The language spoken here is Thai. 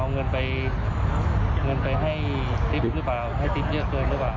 เงินไปให้จิ๊บหรือเปล่าให้จิ๊บเลือกตัวรึเปล่า